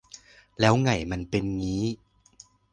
แล้วไหงมันเป็นงี้